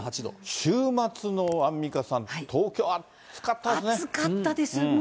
週末の、アンミカさん、東京、暑かったです。